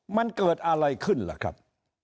มันเกิดอะไรขึ้นล่ะครับ